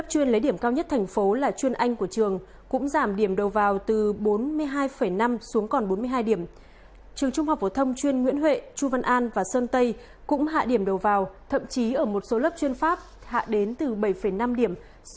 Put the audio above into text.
hãy đăng ký kênh để ủng hộ kênh của chúng mình nhé